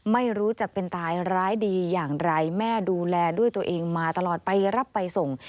ไม่รู้จะเป็นตายร้ายดีอย่างไรแม่ดูแลด้วยตัวเองมาตลอดไปรับไปส่ง